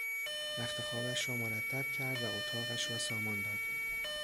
رختخوابش را مرتب کرد و اطاقش را سامان داد.